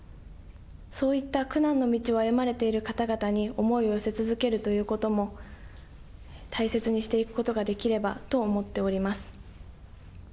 そういった苦難の道を歩まれている方々に思いを寄せ続けるということも、大切にしていくことができればと思っております。